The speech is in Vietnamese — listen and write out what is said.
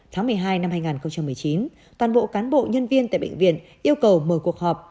tháng một mươi hai năm hai nghìn một mươi chín toàn bộ cán bộ nhân viên tại bệnh viện yêu cầu mở cuộc họp